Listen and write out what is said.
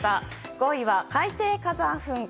５位は、海底火山噴火。